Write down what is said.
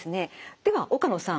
では岡野さん